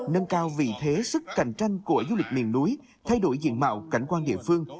nâng cao vị thế sức cạnh tranh của du lịch miền núi thay đổi diện mạo cảnh quan địa phương